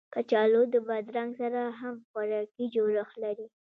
کچالو د بادرنګ سره هم خوراکي جوړښت لري